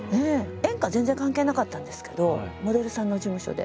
演歌全然関係なかったんですけどモデルさんの事務所で。